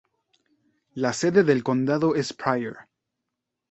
La sede del condado es Pryor.